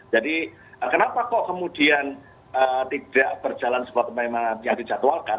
jadi kenapa kok kemudian tidak berjalan sebuah pembangunan yang dijadwalkan